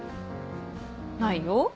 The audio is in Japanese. ないよ。